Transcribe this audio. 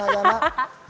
banyak belakang sana sama